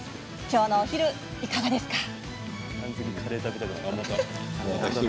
今日のお昼にいかがですか？